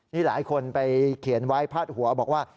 นี่หลายคนไปเขียนไว้พาดหัวบอกว่า